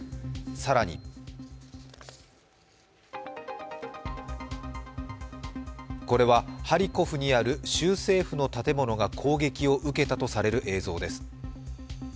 更にこれはハリコフにある州政府の建物が攻撃を受けたとされる映像です。